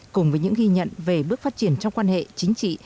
cùng với những ghi nhận về bước phát triển trong quan hệ chính trị